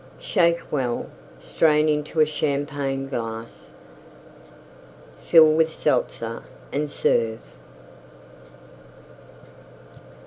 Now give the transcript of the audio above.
Shake well; strain into a Champagne glass; fill with Seltzer and serve.